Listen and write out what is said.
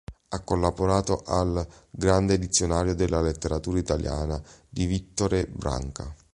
Ha collaborato al "Grande dizionario della letteratura italiana" di Vittore Branca.